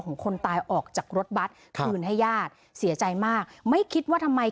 คนตายออกจากรถบัตรคืนให้ญาติเสียใจมากไม่คิดว่าทำไม